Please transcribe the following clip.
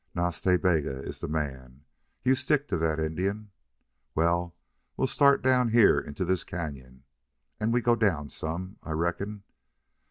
Nas Ta Bega is the man. You stick to that Indian. ... Well, we start down here into this cañon, and we go down some, I reckon.